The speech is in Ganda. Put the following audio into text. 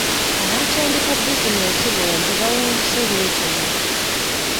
Abaatandika bizinensi bombi baawunzise beetemye.